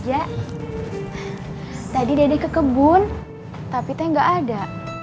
iya tadi dede ke kebun tapi gak ada